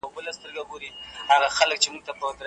له مرحوم انجنیر سلطان جان کلیوال سره مي